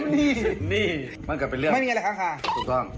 นี่มันก็เป็นเรื่องมาพบห้อง